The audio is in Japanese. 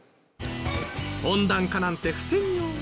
温暖化なんて防ぎようがない。